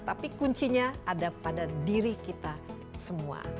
tapi kuncinya ada pada diri kita semua